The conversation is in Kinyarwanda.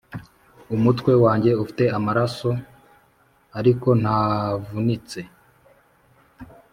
umutwe wanjye ufite amaraso, ariko ntavunitse.